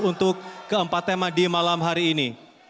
untuk keempat tema di malam hari ini